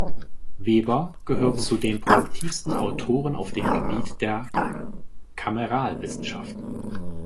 Weber gehört zu den produktivsten Autoren auf dem Gebiet der Kameralwissenschaften.